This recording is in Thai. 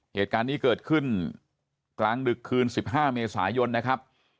เหตุการณ์นี้เกิดขึ้นกลางดึกคืน๑๕เมษายนนะครับ